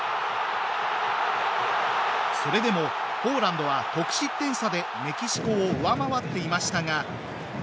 それでもポーランドは得失点差でメキシコを上回っていましたが。